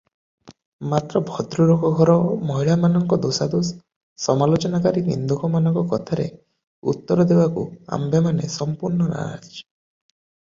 ମାତ୍ର ଭଦ୍ରଲୋକ ଘର ମହିଳାମାନଙ୍କ ଦୋଷାଦୋଷ ସମାଲୋଚନାକାରୀ ନିନ୍ଦୁକମାନଙ୍କ କଥାରେ ଉତ୍ତର ଦେବାକୁ ଆମ୍ଭେମାନେ ସଂପୂର୍ଣ୍ଣ ନାରାଜ ।